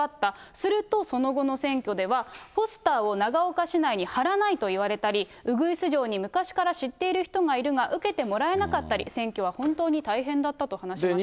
すると、その後の選挙では、ポスターを長岡市内に貼らないと言われたり、ウグイス嬢に昔から知っている人がいるが受けてもらえなかったり、選挙は本当に大変だったと話しました。